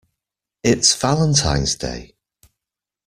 It's Valentine's Day!